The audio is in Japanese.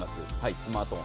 スマートフォン。